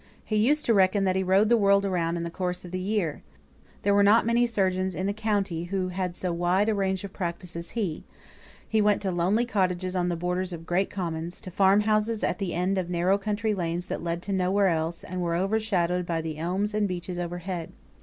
He used to reckon that he rode the world around in the course of the year. There were not many surgeons in the county who had so wide a range of practice as he; he went to lonely cottages on the borders of great commons; to farm houses at the end of narrow country lanes that led to nowhere else, and were overshadowed by the elms and beeches overhead.